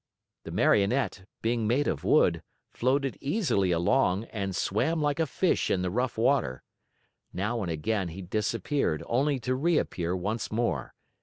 The Marionette, being made of wood, floated easily along and swam like a fish in the rough water. Now and again he disappeared only to reappear once more.